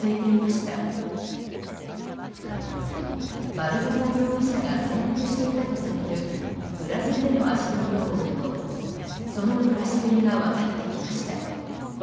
バルボサ容疑者が潜伏していたとされるブラジルでの足取りを追うとその暮らしぶりが分かってきました。